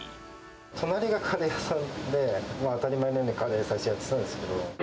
隣がカレー屋さんで、当たり前のようにカレー、最初やってたんですけど。